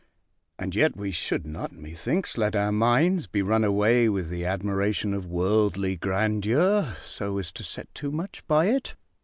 And yet, we should not, methinks, let our minds be run away with the admiration of worldly grandeur, so as to set too much by it.